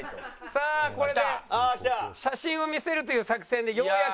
さあこれで写真を見せるという作戦でようやく。